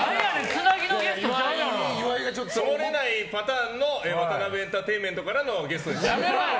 つなげないパターンのワタナベエンターテインメントからのゲストです。